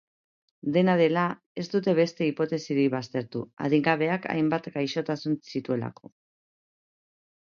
Dena dela, ez dute beste hipotesirik baztertu, adingabeak hainbat gaixotasun zituelako.